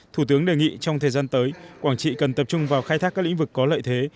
thủ tướng đề nghị trong thời gian tới quảng trị cần tập trung vào khai thác các lĩnh vực có lợi thế